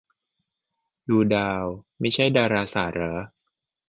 ดูดาวไม่ใช่ดาราศาสตร์เหรอ